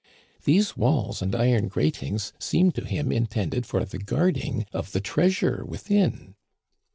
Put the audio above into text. These walls and iron gratings seemed to him intended for the guarding of the treasure within.